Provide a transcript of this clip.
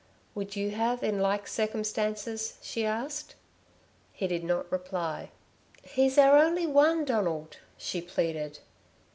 "Would you have in like circumstances?" she asked. He did not reply. "He's our only one, Donald," she pleaded.